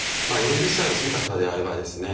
４０歳を過ぎた方であればですね